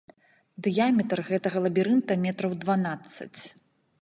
Дыяметр гэтага лабірынта метраў дванаццаць.